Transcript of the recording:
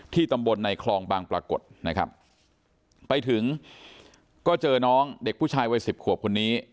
ตำบลในคลองบางปรากฏนะครับไปถึงก็เจอน้องเด็กผู้ชายวัยสิบขวบคนนี้